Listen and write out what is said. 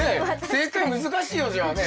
正解難しいよじゃあね。